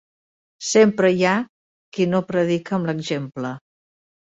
Sempre hi ha qui no predica amb l'exemple.